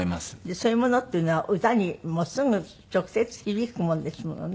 そういうものっていうのは歌にもすぐ直接響くもんですものね。